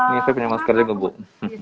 ini saya punya maskernya bebut